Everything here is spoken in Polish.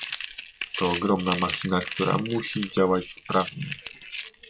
To ogromna machina, która musi działać sprawnie